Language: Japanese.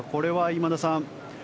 今田さん